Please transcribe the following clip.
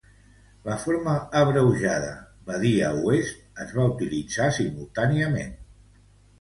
La forma abreujada Badia Oest es va utilitzar simultàniament.